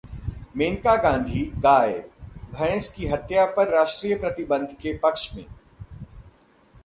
मेनका गांधी गाय, भैंस की हत्या पर राष्ट्रीय प्रतिबंध के पक्ष में